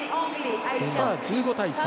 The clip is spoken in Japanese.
１５対３。